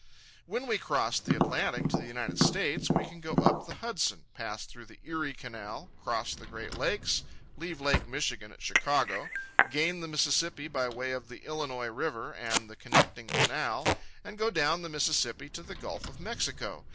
When we cross the Atlantic to the United States, we can go up the Hudson, pass through the Erie Canal, cross the Great Lakes, leave Lake Michigan at Chicago, gain the Mississippi by way of the Illinois River and the connecting canal, and go down the Mississippi to the Gulf of Mexico.